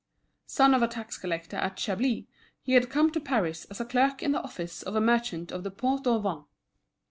Son of a tax collector at Chablis, he had come to Paris as a clerk in the office of a merchant of the Port aux Vins.